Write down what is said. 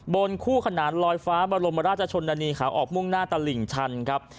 บนคู่ขนานลอยฟ้าบรมราชชนนานีขาออกมุ่งหน้าตลิ่งชันครับ